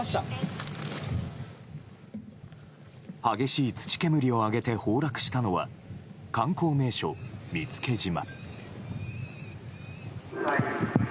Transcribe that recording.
激しい土煙を上げて崩落したのは観光名所・見附島。